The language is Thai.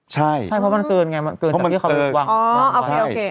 ใช่เพราะมันเกินไงเกินจากที่เขาวางไว้